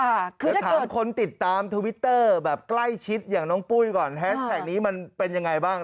เดี๋ยวถามคนติดตามทวิตเตอร์แบบใกล้ชิดอย่างน้องปุ้ยก่อนแฮชแท็กนี้มันเป็นยังไงบ้าง